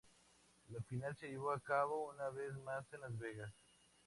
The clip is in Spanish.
La final se llevó a cabo una vez más en Las Vegas.